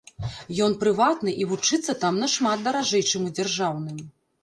Ён прыватны, і вучыцца там нашмат даражэй, чым у дзяржаўным.